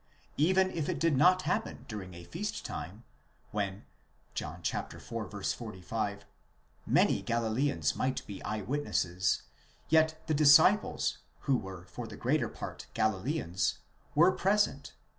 Even if it did not happen during a feast time, when (John iv. 45) many Galileans might be eye witnesses, yet the disciples, who were for the greater part Gali leans, were present (v.